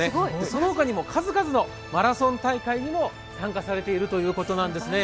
そのほかにも数々のマラソン大会にも参加されているということなんですね。